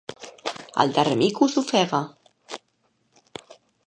El darrer mico s'ofega.